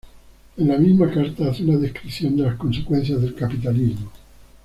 En la misma carta hace una descripción de las consecuencias del capitalismo.